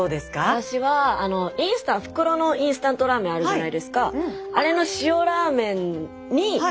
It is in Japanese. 私はインスタント袋のインスタントラーメンあるじゃないですか。